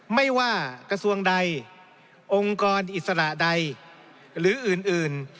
ไม่ว่ากระทรวงใดองค์กรอิสระใดหรืออื่น